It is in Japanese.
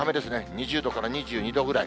２０度から２２度ぐらい。